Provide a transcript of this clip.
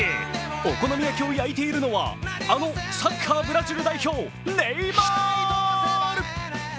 お好み焼きを焼いているのはあのサッカーブラジル代表、ネイマール！